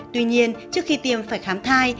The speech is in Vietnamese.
tuy nhiên trước khi tiêm phải khám thai